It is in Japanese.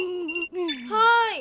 はい。